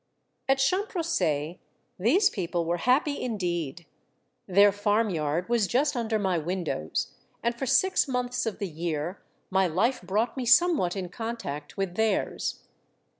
At Champrosay, these people were happy in deed. Their farmyard was just under my windows, and for six months of the year my Hfe brought me somewhat in contact with theirs.